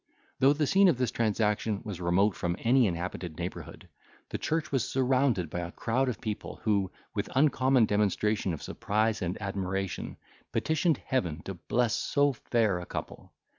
Though the scene of this transaction was remote from any inhabited neighbourhood, the church was surrounded by a crowd of people, who, with uncommon demonstration of surprise and admiration, petitioned Heaven to bless so fair a couple.